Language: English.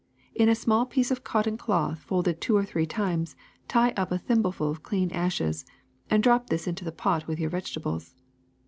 In a small piece of cotton cloth folded two or three times tie up a thimbleful of clean ashes, and drop this into the pot with your vegetables.